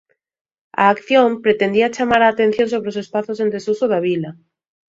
A acción pretendía chamar a atención sobre os espazos en desuso da vila.